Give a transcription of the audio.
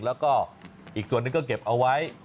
แล้วก็อีกส่วนหนึ่งก็เก็บเอาไว้